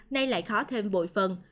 nay lại khó thêm bội phần